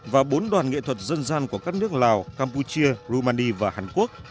và bốn đoàn nghệ thuật dân gian của các nước lào campuchia rumani và hàn quốc